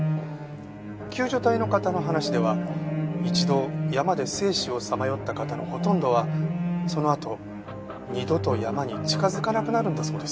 救助隊の方の話では一度山で生死をさまよった方のほとんどはそのあと二度と山に近づかなくなるんだそうです。